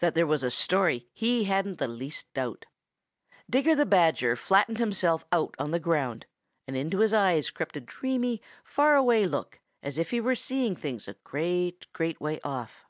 That there was a story he hadn't the least doubt. Digger the Badger flattened himself out on the ground, and into his eyes crept a dreamy, far away look as if he were seeing things a great, great way off.